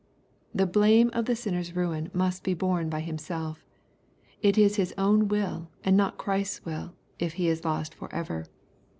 — The blame of the sinner's ruin must be borne by himselC It is his own wiU, and not Christ's will, if he is lost forever.